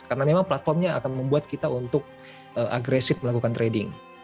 karena memang platformnya akan membuat kita untuk agresif melakukan trading